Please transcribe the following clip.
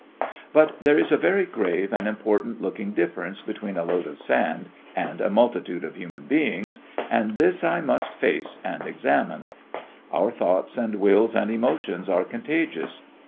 But there is a very grave and important looking difference between a load of sand and a multitude of human beings, and this I must face and examine. Our thoughts and wills and emotions are contagious.